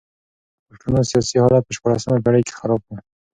د پښتنو سیاسي حالت په شپاړلسمه پېړۍ کي خراب و.